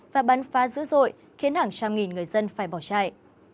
và bắn phá dữ dội khiến hàng trăm nghìn người dân phải bỏ chạy